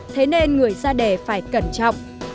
thế nên người ra đề phải cẩn trọng